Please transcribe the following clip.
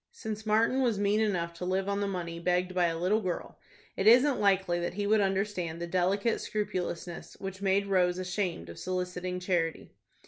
Since Martin was mean enough to live on the money begged by a little girl, it isn't likely that he would understand the delicate scrupulousness which made Rose ashamed of soliciting charity.